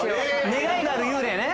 願いがある幽霊ね。